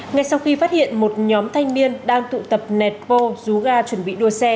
ngay sau khi phát hiện một nhóm thanh niên đang tụ tập nẹt vô rú ga chuẩn bị đua xe